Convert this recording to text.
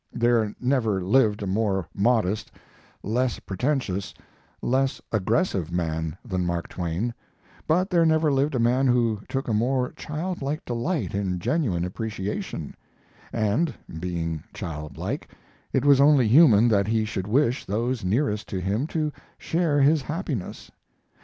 There never lived a more modest, less pretentious, less aggressive man than Mark Twain, but there never lived a man who took a more childlike delight in genuine appreciation; and, being childlike, it was only human that he should wish those nearest to him to share his happiness.